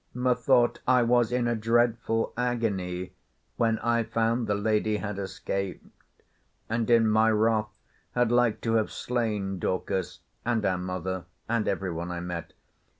Methought I was in a dreadful agony, when I found the lady had escaped, and in my wrath had like to have slain Dorcas, and our mother, and every one I met.